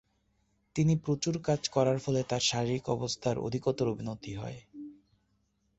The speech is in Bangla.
তিনি প্রচুর কাজ করার ফলে তার শারীরিক অবস্থার অধিকতর অবনতি হয়।